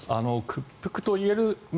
屈服といえる。